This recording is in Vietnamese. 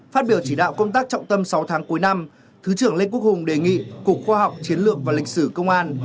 phát biểu chỉ đạo công tác trọng tâm sáu tháng cuối năm thứ trưởng lê quốc hùng đề nghị cục khoa học chiến lược và lịch sử công an